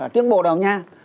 tiếng bồ đào nha